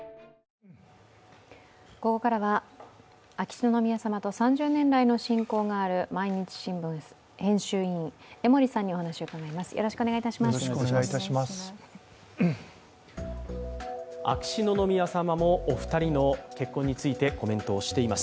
ここからは秋篠宮さまと３０年来の親交がある毎日新聞編集委員、江森さんにお話を伺います。